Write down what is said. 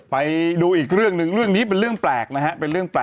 ไปดูอีกเรื่องหนึ่งเรื่องนี้เป็นเรื่องแปลกนะฮะ